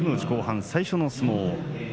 後半最初の相撲。